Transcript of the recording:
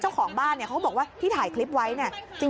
เจ้าของบ้านเนี่ยเขาบอกว่าที่ถ่ายคลิปไว้เนี่ย